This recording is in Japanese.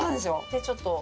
でちょっと。